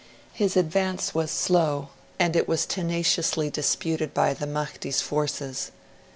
His advance was slow, and it was tenaciously disputed by, the Mahdi's forces.